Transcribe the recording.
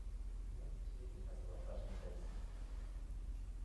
Mint tea has a refreshing taste.